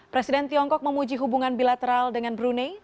presiden tiongkok memuji hubungan bilateral dengan brunei